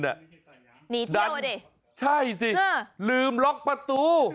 หนีเที่ยวอ่ะดิใช่สิลืมล็อกประตู